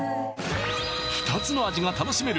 ２つの味が楽しめる